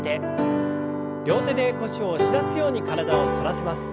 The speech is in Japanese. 両手で腰を押し出すように体を反らせます。